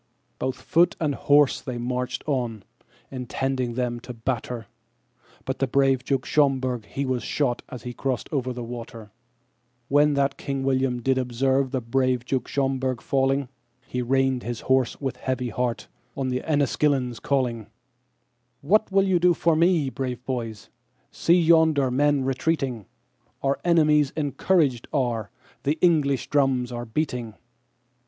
Both foot and horse they marched on, intending them to batter, But the brave Duke Schomberg he was shot as he crossed over the water. When that King William did observe the brave Duke Schomberg falling, He reined his horse with a heavy heart, on the Enniskillenes calling:"What will you do for me, brave boys—see yonder men retreating? Our enemies encouraged are, and English drums are beating."